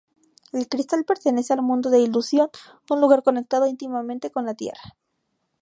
El cristal pertenece al mundo de Ilusión, un lugar conectado íntimamente con la Tierra.